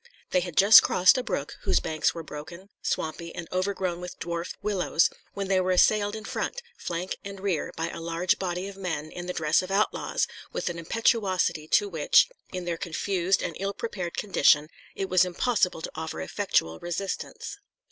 They had just crossed a' brook, whose banks were broken, swampy, and overgrown with dwarf willows, when they were assailed in front, flank and rear by a large body of men in the dress of outlaws, and with an impetuosity to which, in their confused and ill prepared condition, it was impossible to offer effectual resistance.